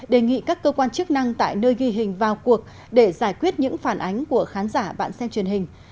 đề nghị các cơ quan chức năng tại nơi ghi hình vào cuộc để giải quyết những phản ánh của khán giả bạn xem truyền hình